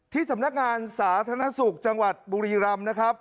สำนักงานสาธารณสุขจังหวัดบุรีรำนะครับ